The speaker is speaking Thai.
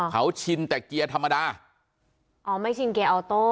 เขาชินแต่เกียร์ธรรมดาอ๋อไม่ชินเกียร์ออโต้